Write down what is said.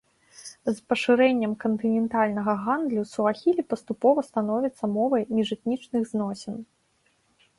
З пашырэннем кантынентальнага гандлю суахілі паступова становіцца мовай міжэтнічных зносін.